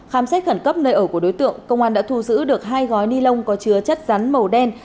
khám xét khẩn cấp nơi ở của đối tượng công an đã thu giữ được hai gói ni lông có chứa chất rắn màu đen